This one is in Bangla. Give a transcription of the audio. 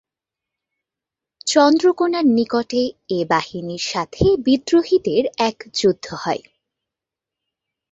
চন্দ্রকোণার নিকটে এ বাহিনীর সাথে বিদ্রোহীদের এক যুদ্ধ হয়।